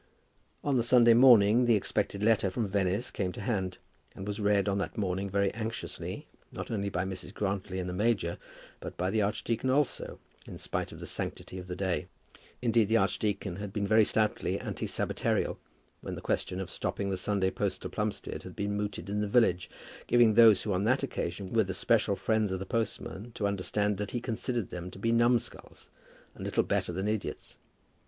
On the Sunday morning the expected letter from Venice came to hand, and was read on that morning very anxiously, not only by Mrs. Grantly and the major, but by the archdeacon also, in spite of the sanctity of the day. Indeed the archdeacon had been very stoutly anti sabbatarial when the question of stopping the Sunday post to Plumstead had been mooted in the village, giving those who on that occasion were the special friends of the postman to understand that he considered them to be numskulls, and little better than idiots.